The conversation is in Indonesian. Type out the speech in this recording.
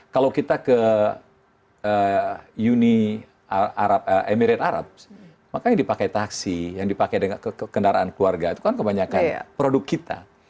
kalau kita ke uni emirat arab maka yang dipakai taksi yang dipakai dengan kendaraan keluarga itu kan kebanyakan produk kita